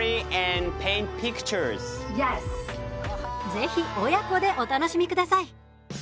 ぜひ親子でお楽しみください。